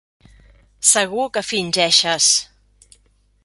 Segur que fingeixes.